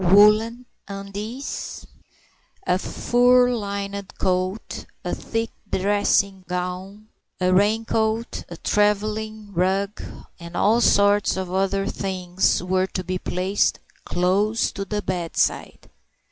Woollen undies, a fur lined coat, a thick dressing gown, a raincoat, a travelling rug, and all sorts of other things, were to be placed close to the bedside.